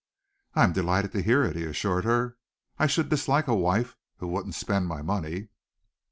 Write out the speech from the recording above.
"I am delighted to hear it," he assured her. "I should dislike a wife who wouldn't spend my money."